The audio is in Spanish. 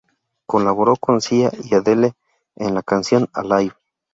Colaboró con Sia y Adele en la canción "Alive".